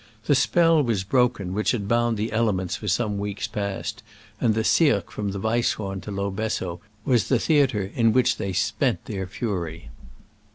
The spell was broken which had bound the elements for some weeks past, and the cirque from the Weisshom to Lo Besso was the theatre in which they spent their fury.